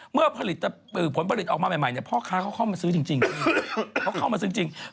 เมื่อผลผลิตออกมาใหม่พ่อค้าเขาเข้ามาซื้อจริง